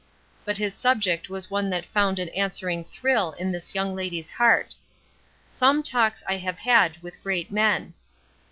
But his subject was one that found an answering thrill in this young lady's heart "Some Talks I Have Had With Great Men."